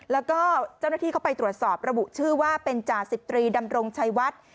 แล้วก็เจ้าหน้าที่เข้าไปตรวจสอบระบุชื่อว่าเป็นจ่าสิบตรีดำรงชัยวัด